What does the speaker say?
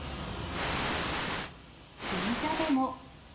銀座でも。